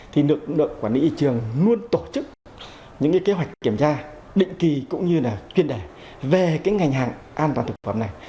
tổng cục quản lý thị trường luôn tổ chức những kế hoạch kiểm tra định kỳ cũng như quyên đề về ngành hàng an toàn thực phẩm này